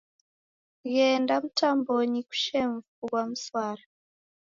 Ghenda mtambonyi kushe mfu ghwa mswara